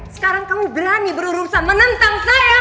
sekarang kamu berani berurusan menentang saya